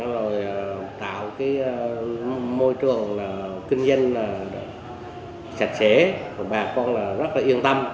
rồi tạo cái môi trường kinh doanh sạch sẽ bà con rất là yên tâm